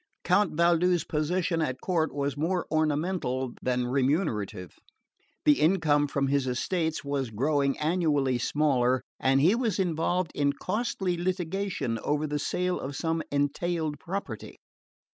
Count Valdu's position at court was more ornamental than remunerative, the income from his estates was growing annually smaller, and he was involved in costly litigation over the sale of some entailed property.